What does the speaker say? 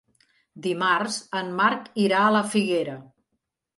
Dimarts en Marc irà a la Figuera.